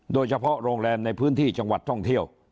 โดยเฉพาะโรงแรมในพื้นที่จังหวัดท่องเที่ยว